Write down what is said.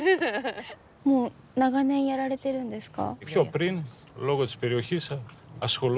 もう長年やられてるんですか？